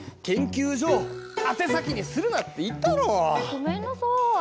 研究所を宛先にするなって言ったろう。